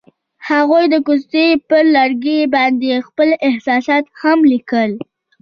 هغوی د کوڅه پر لرګي باندې خپل احساسات هم لیکل.